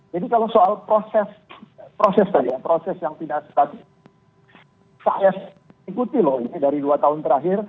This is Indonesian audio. jadi kalau soal proses proses tadi ya proses yang pindah sekat saya ikuti loh ini dari dua tahun terakhir